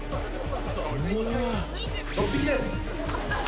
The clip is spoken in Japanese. ６匹です